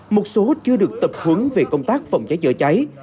một số chưa được tập hướng về công tác phòng cháy chữa cháy